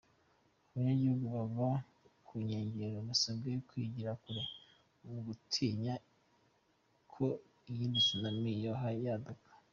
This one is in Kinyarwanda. Abanyagihugu baba ku nkengera basabwe kwigira kure, mu gutinya ko iyindi tsunami yohava yaduka.